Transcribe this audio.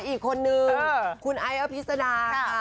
อีกคนนึงคุณไอ้อภิษดาค่ะ